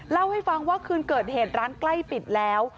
เล่าให้ฟังว่าคืนเกิดเหตุร้านใกล้ปิดแล้ว